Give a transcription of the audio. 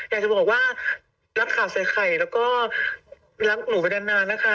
อยากจะบอกว่ารักข่าวใส่ไข่แล้วก็รักหนูไปนานนะคะ